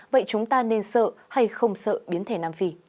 vậy chúng ta nên sợ hay không sợ biến thể nam phi